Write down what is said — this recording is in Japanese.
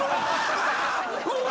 うわ！